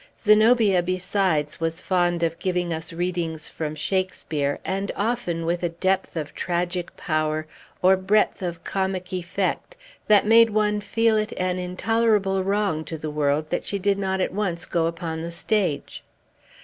Zenobia, besides, was fond of giving us readings from Shakespeare, and often with a depth of tragic power, or breadth of comic effect, that made one feel it an intolerable wrong to the world that she did not at once go upon the stage.